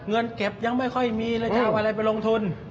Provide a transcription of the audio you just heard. เงินเก็บยังไม่ค่อยมีเลยจะเอาอะไรไปลงทุน